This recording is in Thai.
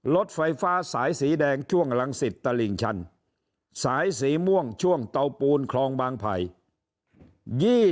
รถไฟฟ้าสายสีแดงช่วงลังศิษย์ตลิ่งชันสายสีม่วงช่วงเตาปูนคลองบางไผ่